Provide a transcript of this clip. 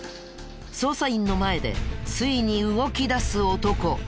捜査員の前でついに動きだす男。